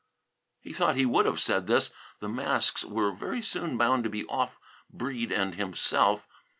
He thought he would have said this; the masks were very soon bound to be off Breede and himself.